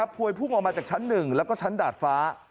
พวยพุ่งออกมาจากชั้น๑แล้วก็ชั้นดาดฟ้า